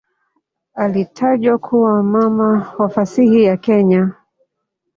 Alitajwa kuwa "mama wa fasihi ya Kenya".